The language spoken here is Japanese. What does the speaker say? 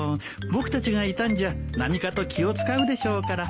僕たちがいたんじゃ何かと気を使うでしょうから。